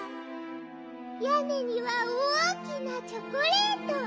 やねにはおおきなチョコレート！